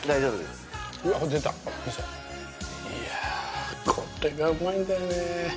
いやぁこれがうまいんだよね。